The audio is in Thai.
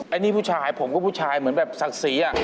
อันนี้ผู้ชายผมก็ผู้ชายเหมือนสักสี